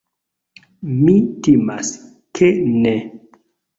Mi timas, ke ne.